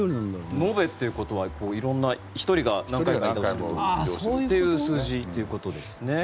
延べということは色んな１人が何回か移動するという数字ということですね。